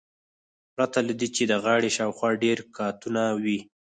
پرته له دې چې د غاړې شاوخوا ډیر قاتونه وي